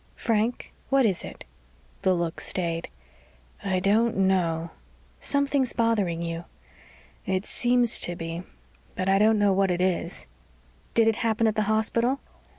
"Frank what is it?" The look stayed. "I don't know." "Something's bothering you." "It seems to be. But I don't know what it is." "Did it happen at the hospital?"